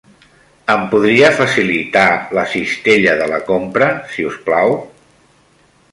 Em podria facilitar la cistella de la compra, si us plau?